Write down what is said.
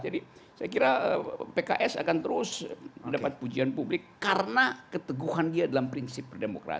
jadi saya kira pks akan terus mendapat pujian publik karena keteguhan dia dalam prinsip demokrasi